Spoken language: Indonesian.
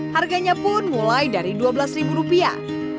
harganya pun mulai dari dua belas ribu rupiah